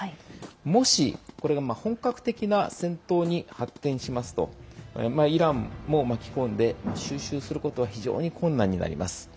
もし、これが本格的な戦闘に発展しますとイランも巻き込んで収拾することは非常に困難になります。